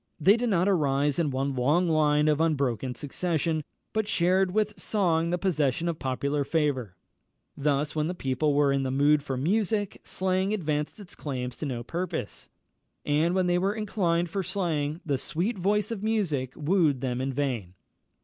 They did not arise in one long line of unbroken succession, but shared with song the possession of popular favour. Thus, when the people were in the mood for music, slang advanced its claims to no purpose; and when they were inclined for slang, the sweet voice of music wooed them in vain.